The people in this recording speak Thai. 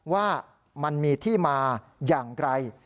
ว่ามันมีที่มาอย่างไกล